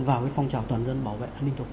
vào phong trào toàn dân bảo vệ an ninh